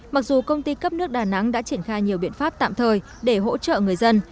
mặc dù công ty cấp nước đà nẵng đã triển khai nhiều biện pháp tạm thời để hỗ trợ người dân